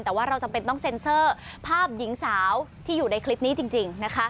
แต่ว่าเราจำเป็นต้องเซ็นเซอร์ภาพหญิงสาวที่อยู่ในคลิปนี้จริงนะคะ